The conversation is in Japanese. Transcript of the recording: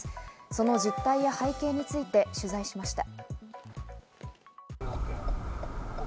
その実態や背景について取材しました。